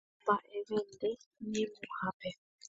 Omba'evende ñemuhápe